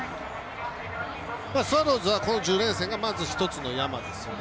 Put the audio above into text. スワローズはこの１０連戦がまず、１つの山ですよね。